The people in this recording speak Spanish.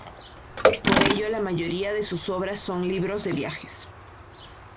Por ello la mayoría de sus obras son libros de viajes.